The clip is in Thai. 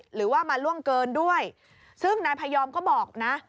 หรือว่ามาล่วงเกินด้วยซึ่งนายพยอมก็บอกนะ